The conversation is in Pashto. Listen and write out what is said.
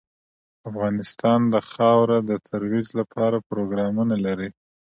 افغانستان د خاوره د ترویج لپاره پروګرامونه لري.